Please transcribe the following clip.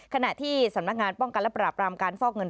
ขณะที่สำนักงานป้องกันและปราบรามการฟอกเงิน